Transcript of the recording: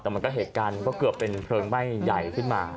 แต่มันก็เหตุการณ์มันก็เกือบเป็นเพลิงไหม้ใหญ่ขึ้นมา